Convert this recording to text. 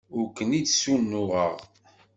Ur kent-id-ssunuɣeɣ.